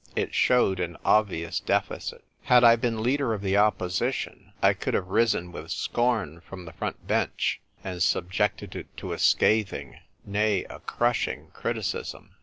It showed an obvious deficit. Had I been Leader of the Opposition, I could have risen with scorn from the front bench, and subjected it to a scathing — nay, a crushing 96 THE TvrE WRITER GIRL. criticism.